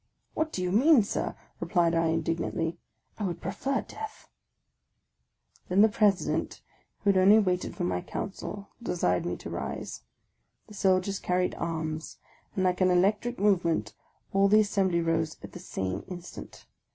"" What do you mean, sir ?" replied I, indignantly ;" I would prefer death !" Then the President, who had only waited for my counsel, desired me to rise. The soldiers carried arms ; and, like an electric movement, all the assembly rose at the same in stant.